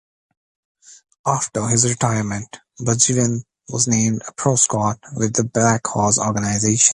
After his retirement, Bergevin was named a pro scout with the Blackhawks' organization.